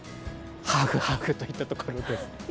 ハーフ・ハーフといったところです。